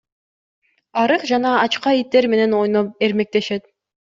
Арык жана ачка иттер менен ойноп эрмектешет.